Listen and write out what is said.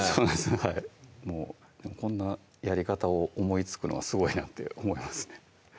はいこんなやり方を思いつくのはすごいなって思いますね